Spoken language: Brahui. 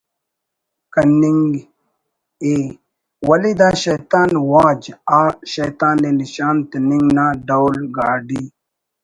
کننگ ءِ ولے دا ”شیطان واج“ آ شیطان ءِ نشان تننگ نا ڈول گاڈ ی